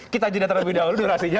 kita jeda terlebih dahulu durasinya